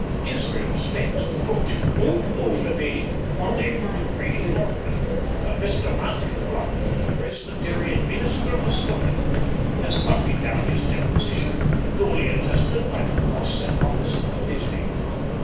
Israel Stakes, the coachman, proved to be unable to read or write, but Mr. Mathew Clark, the Presbyterian Minister of Stoneykirk, has copied down his deposition, duly attested by the cross set opposite to his name.